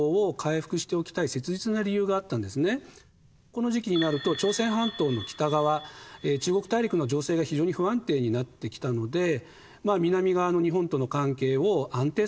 この時期になると朝鮮半島の北側中国大陸の情勢が非常に不安定になってきたので南側の日本との関係を安定させておきたいというふうに考えた。